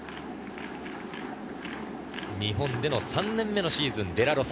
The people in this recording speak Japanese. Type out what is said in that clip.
日本での３年目のシーズン、デラロサ。